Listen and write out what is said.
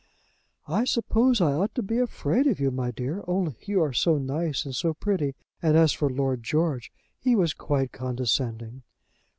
"I suppose I ought to be afraid of you, my dear; only you are so nice and so pretty. And as for Lord George, he was quite condescending."